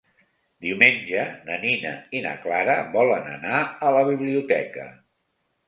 Diumenge na Nina i na Clara volen anar a la biblioteca.